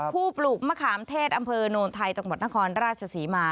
ปลูกมะขามเทศอำเภอโนนไทยจังหวัดนครราชศรีมา